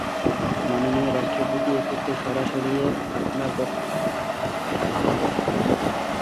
মাননীয় রাষ্ট্রপতি, এক্ষেত্রে সরাসরি আপনার বক্তব্য লিখে নিতে পারলে ভালো হতো।